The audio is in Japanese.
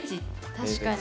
確かに。